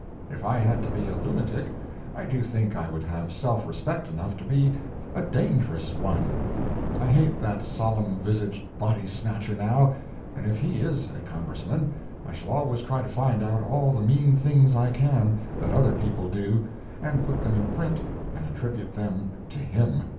If I had to be a lunatic, I do think I would have self respect enough to be a dangerous one. I hate that solemn visaged body snatcher now, and if he is a Congressman I shall always try to find out all the mean things I can that other people do, and put them in print and attribute them to him.